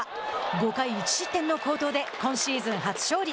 ５回１失点の好投で今シーズン初勝利。